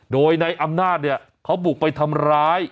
โดยในอำนาจเนี่ยเขาบุกไปทำร้าย